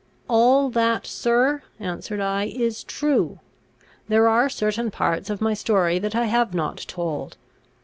"All that, sir," answered I, "is true. There are certain parts of my story that I have not told.